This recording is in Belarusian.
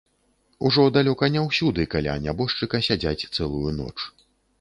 Ужо далёка не ўсюды каля нябожчыка сядзяць цэлую ноч.